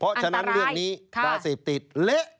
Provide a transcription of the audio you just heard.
เพราะฉะนั้นเรื่องนี้ยาเสพติดเละ